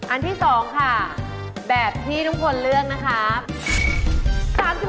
อันที่๒ค่ะแบบที่ลุงพลเลือกนะครับ